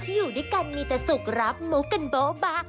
อยู่ด้วยกันมีแต่สุขรับมุกกันโบ๊บะ